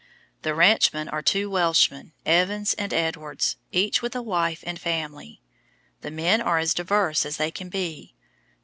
The ranchmen are two Welshmen, Evans and Edwards, each with a wife and family. The men are as diverse as they can be.